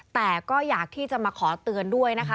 แต่ก็อยากที่จะมาขอเตือนด้วยนะคะ